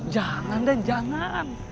jangan den jangan